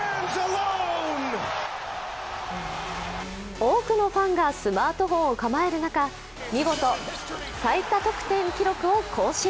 多くのファンがスマートフォンを構える中、見事、最多得点記録を更新。